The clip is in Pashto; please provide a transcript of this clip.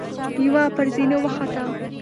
يوه پر زينو وخته.